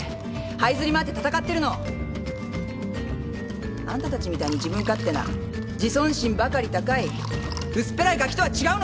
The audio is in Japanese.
はいずり回って闘ってるの！あんたたちみたいに自分勝手な自尊心ばかり高い薄っぺらいガキとは違うのよ！